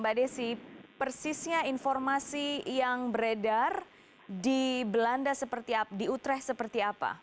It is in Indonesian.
mbak desi persisnya informasi yang beredar di utrecht seperti apa